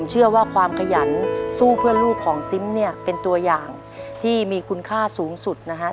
เชื่อว่าความขยันสู้เพื่อลูกของซิมเนี่ยเป็นตัวอย่างที่มีคุณค่าสูงสุดนะฮะ